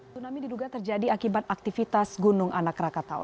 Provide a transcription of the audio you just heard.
tsunami diduga terjadi akibat aktivitas gunung anak rakatau